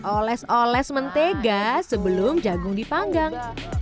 oles oles mentega sebelum jagung dipanggang